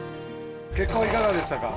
結果はいかがでしたか？